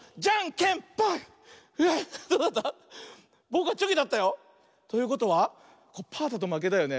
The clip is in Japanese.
ぼくはチョキだったよ。ということはパーだとまけだよね。